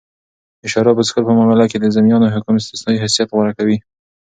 د شرابو څښل په معامله کښي د ذمیانو حکم استثنايي حیثت غوره کوي.